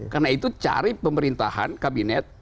karena itu cari pemerintahan kabinet